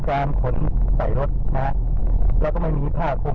การขนใส่รถนะฮะแล้วก็ไม่มีผ้าคุม